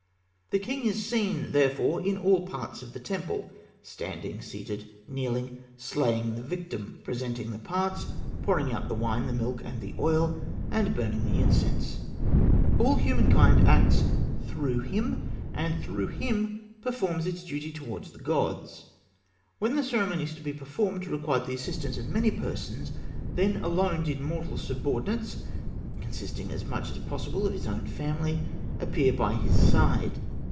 The king is seen, therefore, in all parts of the temple, standing, seated, kneeling, slaying the victim, presenting the parts, pouring out the wine, the milk, and the oil, and burning the incense. All humankind acts through him, and through him performs its duty towards the gods. When the ceremonies to be performed required the assistance of many persons, then alone did mortal subordinates (consisting, as much as possible, of his own family) appear by his side.